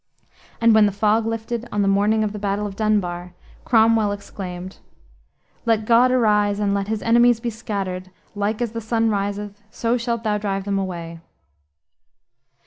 And when the fog lifted, on the morning of the battle of Dunbar, Cromwell exclaimed, "Let God arise and let his enemies be scattered: like as the sun riseth, so shalt thou drive them away."